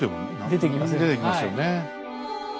出てきますよね。